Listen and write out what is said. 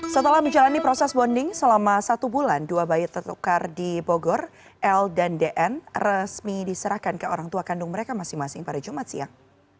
setelah menjalani proses bonding selama satu bulan dua bayi tertukar di bogor l dan dn resmi diserahkan ke orang tua kandung mereka masing masing pada jumat siang